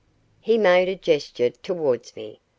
He made a gesture towards me.